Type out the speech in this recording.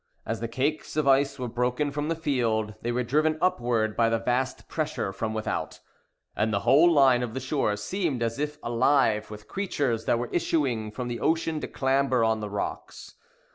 As the cakes of ice were broken from the field, they were driven upward by the vast pressure from without, and the whole line of the shore seemed as if alive with creatures that were issuing from the ocean to clamber on the rocks.